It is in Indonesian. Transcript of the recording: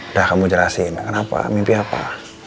udah kamu jelasin kenapa mimpi apa